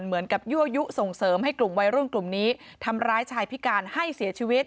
เหมือนกับยั่วยุส่งเสริมให้กลุ่มวัยรุ่นกลุ่มนี้ทำร้ายชายพิการให้เสียชีวิต